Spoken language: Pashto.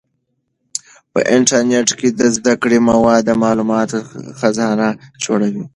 په انټرنیټ کې د زده کړې مواد د معلوماتو خزانه جوړوي.